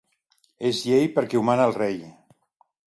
És llei, perquè ho mana el rei.